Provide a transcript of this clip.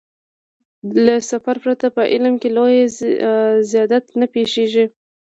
له سفر پرته په علم کې لويه زيادت نه پېښېږي.